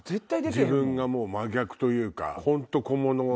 自分が真逆というか。